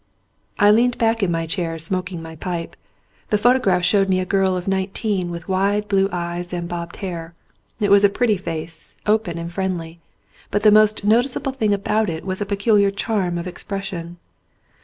I leaned back in my chair, smoking my pipe. The photograph showed me a girl of nineteen with wide blue eyes and bobbed hair; it was a pretty face, open and friendly, but the most noticeable thing about it was a peculiar charm of expres sion.